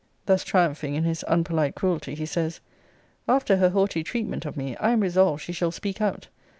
[Thus triumphing in his unpolite cruelty, he says,] After her haughty treatment of me, I am resolved she shall speak out.